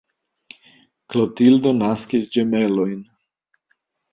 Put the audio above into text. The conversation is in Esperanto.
Klotildo naskis ĝemelojn.